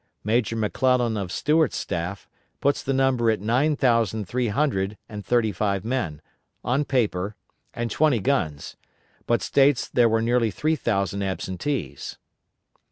Major McClellan of Stuart's staff, puts the number at nine thousand three hundred and thirty five men, on paper, and twenty guns; but states there were nearly three thousand absentees.